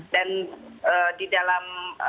dan di dalam